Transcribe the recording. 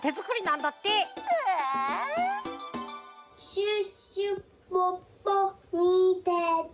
シュッシュポッポみてて。